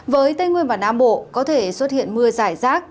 với tây nguyên và nam bộ có thể xuất hiện mưa rải rác